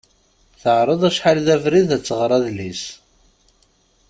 Teɛreḍ acḥal d abrid ad tɣer adlis.